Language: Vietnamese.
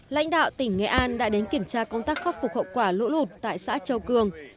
lãnh đạo tỉnh nghệ an đã đến kiểm tra công tác khắc phục hậu quả lũ lụt tại xã châu cường